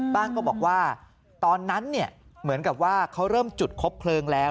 ก็บอกว่าตอนนั้นเหมือนกับว่าเขาเริ่มจุดคบเพลิงแล้ว